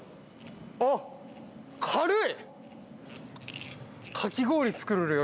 あっ軽い！